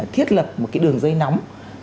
thiết lập một cái đường dây nóng